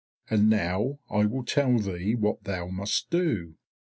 And now I will tell thee what thou must do.